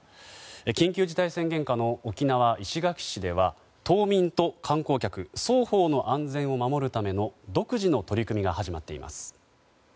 緊急事態宣言下の沖縄・石垣市では島民と観光客双方の安全を守るための独自の取り組みが始まっています。